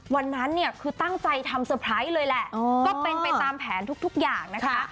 วันนั้นเนี่ยคือตั้งใจทำเซอร์ไพรส์เลยแหละก็เป็นไปตามแผนทุกอย่างนะคะ